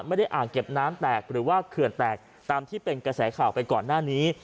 อ่างเก็บน้ำแตกหรือว่าเขื่อนแตกตามที่เป็นกระแสข่าวไปก่อนหน้านี้